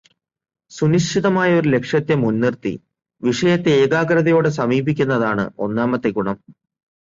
സുനിശ്ചിതമായ ഒരു ലക്ഷ്യത്തെ മുൻനിർത്തി വിഷയത്തെ ഏകാഗ്രതയോടെ സമീപിയ്ക്കുന്നതാണ് ഒന്നാമത്തെ ഗുണം.